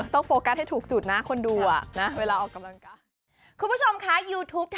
โฟกัสให้ถูกจุดนะคนดูอ่ะนะเวลาออกกำลังกาย